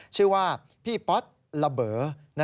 ชื่อว่าพี่ป๊อตละเบอร์